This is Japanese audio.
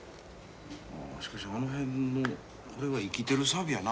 しかしあの辺のこれは生きてる錆やなあ。